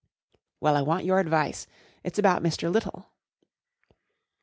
1 " Well, I want your advice, it's about Mr* Little."